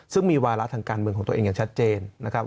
ซึ่งมีวาระทางการเมืองของตัวเองอย่างชัดเจนนะครับ